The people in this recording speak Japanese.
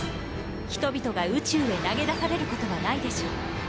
人々が宇宙へ投げ出されることはないでしょう。